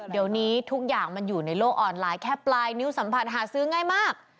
เดี๋ยวนี้ทุกอย่างมันอยู่ในโลกออนไลน์แค่ปลายนิ้วสัมผัสหาซื้อง่ายมาก